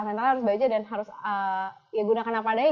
mentalnya harus baja dan harus ya gunakan apa adanya